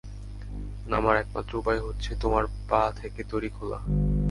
নামার একমাত্র উপায় হচ্ছে তোমার পা থেকে দড়ি খোলা।